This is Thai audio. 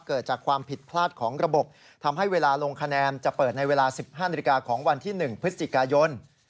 เกิดจากความผิดพลาดของระบบทำให้เวลาลงคะแนนจะเปิดในเวลา๑๕นาฬิกาของวันที่๑พฤศจิกายน